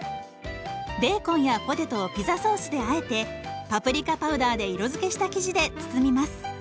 ベーコンやポテトをピザソースであえてパプリカパウダーで色づけした生地で包みます。